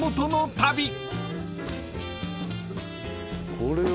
これは。